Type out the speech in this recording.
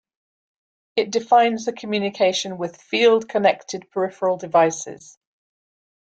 It defines the communication with field connected peripheral devices.